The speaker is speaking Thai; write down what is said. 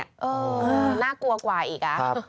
เออน่ากลัวกว่าอีก